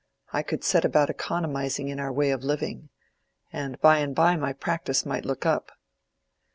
I could set about economizing in our way of living. And by and by my practice might look up."